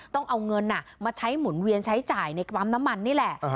ต้องเอาเงินมาใช้หมุนเวียนใช้จ่ายในปั๊มน้ำมันนี่แหละ